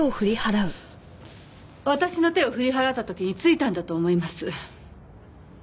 私の手を振り払った時に付いたんだと思います。